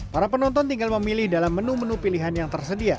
para penonton tinggal memilih dalam menu menu pilihan yang tersedia